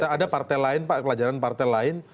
ada partai lain pak pelajaran partai lain